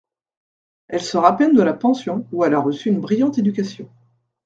Elle sort à peine de la pension, ou elle a reçu une brillante éducation.